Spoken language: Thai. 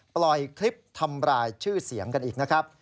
ปล่อยคลิปทำรายชื่อเสียงกันอีกนะครับ